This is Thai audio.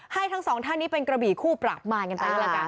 ทั้งสองท่านนี้เป็นกระบี่คู่ปราบมารกันไปก็แล้วกัน